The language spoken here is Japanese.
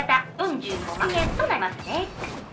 ４５万円となりますね。